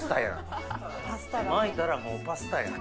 巻いたらもうパスタやん。